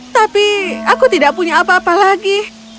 tapi aku tidak punya apa apa lagi